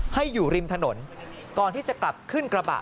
ให้อยู่ริมถนนก่อนที่จะกลับขึ้นกระบะ